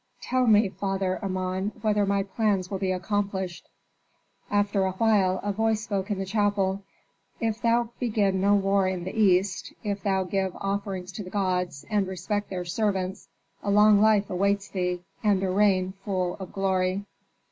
"Tell me, Father Amon, whether my plans will be accomplished." After a while a voice spoke in the chapel. "If thou begin no war in the east, if thou give offerings to the gods and respect their servants, a long life awaits thee, and a reign full of glory."